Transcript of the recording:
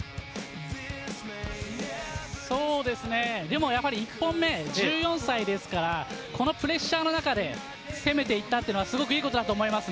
そうですね、やはり１本目、１４歳ですから、このプレッシャーの中で攻めていったというのはすごくいいことだと思います。